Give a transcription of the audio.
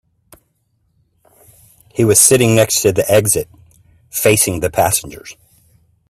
He was sitting next to the exit, facing the passengers.